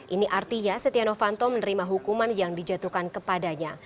ini artinya setia novanto menerima hukuman yang dijatuhkan kepadanya